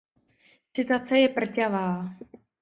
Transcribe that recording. Citace je prťavá.